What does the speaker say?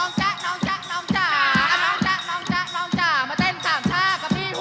โอ้โหโอ้โหโอ้โหโอ้โห